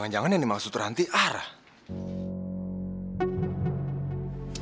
mungkin ini yang kadang kadang terhenti hidup sekosong